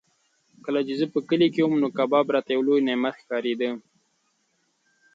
کله چې زه په کلي کې وم نو کباب راته یو لوی نعمت ښکارېده.